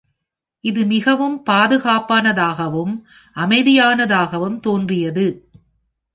இது மிகவும் பாதுகாப்பானதாகவும் அமைதியானதாகவும் தோன்றியது.